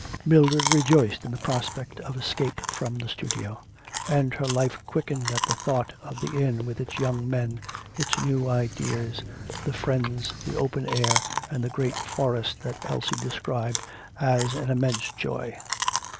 Mildred rejoiced in the prospect of escape from the studio; and her life quickened at the thought of the inn with its young men, its new ideas, the friends, the open air, and the great forest that Elsie described as an immense joy.